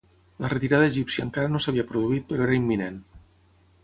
La retirada egípcia encara no s'havia produït però era imminent.